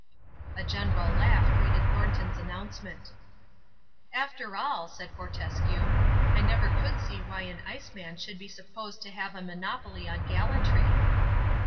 A general laugh greeted Thornton's announcement. "After all," said Fortescue, "I never could see why an Ice Man should be supposed to have a monopoly on gallantry."